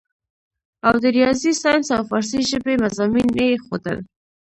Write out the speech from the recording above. او د رياضي سائنس او فارسي ژبې مضامين ئې ښودل